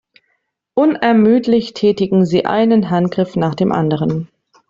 Unermüdlich tätigen sie einen Handgriff nach dem anderen.